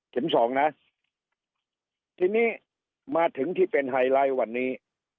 สองนะทีนี้มาถึงที่เป็นไฮไลท์วันนี้